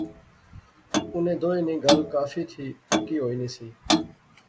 انیں دوئیں نی گل کافی تھی پکی ہوئی نی سی